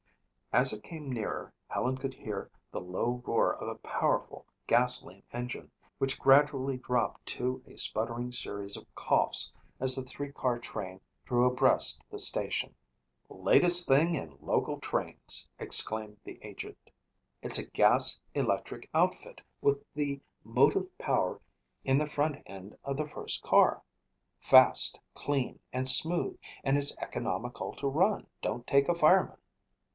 As it came nearer Helen could hear the low roar of a powerful gasoline engine, which gradually dropped to a sputtering series of coughs as the three car train drew abreast the station. "Latest thing in local trains," exclaimed the agent. "It's a gas electric outfit with the motive power in the front end of the first car. Fast, clean and smooth and it's economical to run. Don't take a fireman."